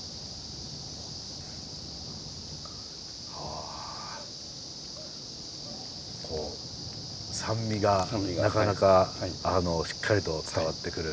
あこう酸味がなかなかしっかりと伝わってくる。